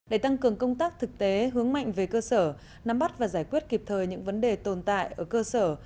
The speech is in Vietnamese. để tăng cường công tác thực tế hướng mạnh về cơ sở nắm bắt và giải quyết kịp thời những vấn đề tồn tại ở cơ sở